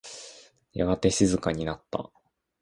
やがて静かになった。